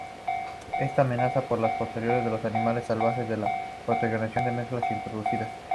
Está amenazada por el pastoreo de animales salvajes y la propagación de malezas introducidas.